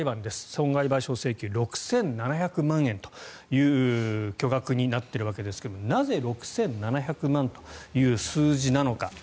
損害賠償請求６７００万円という巨額になっているわけですがなぜ６７００万円という数字なのか。